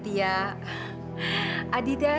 aditya sangat mencintai saskia